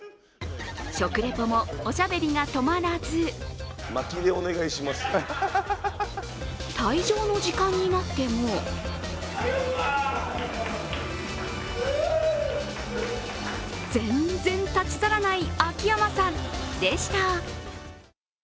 食レポもおしゃべりが止まらず退場の時間になっても全然立ち去らない秋山さんでした。